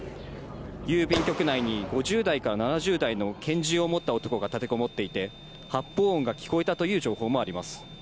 郵便局内に５０代から７０代の拳銃を持った男が立てこもっていて、発砲音が聞こえたという情報もあります。